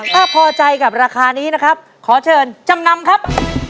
ถ้าพอใจกับราคานี้นะครับขอเชิญจำนำครับ